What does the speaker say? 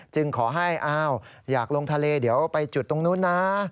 ขอให้อ้าวอยากลงทะเลเดี๋ยวไปจุดตรงนู้นนะ